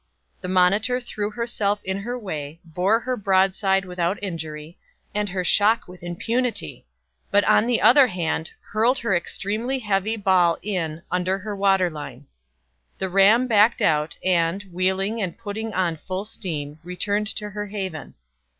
The Monitor threw herself in her way, bore her broadside without injury, and her shock with impunity, but on the other hand hurled her extremely heavy ball in, under her water line. The ram backed out, and, wheeling and putting on full steam, returned to her haven.